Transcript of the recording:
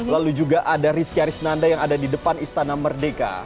lalu juga ada rizky arisnanda yang ada di depan istana merdeka